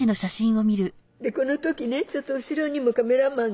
この時ねちょっと後ろにもカメラマンがなぜか。